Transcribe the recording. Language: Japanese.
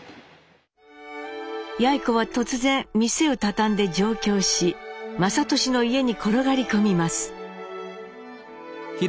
やい子は突然店を畳んで上京し雅俊の家に転がり込みます。